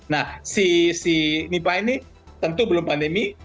nah si nipah ini tentu belum pandemi